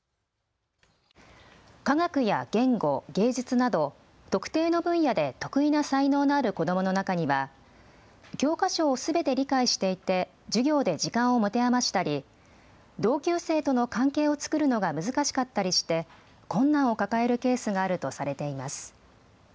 科学や言語、芸術など特定の分野で特異な才能のある子どもの中には、教科書をすべて理解していて授業で時間を持て余したり同級生との関係を作るのが難しかったりして困難を抱えるケースがあるとされています。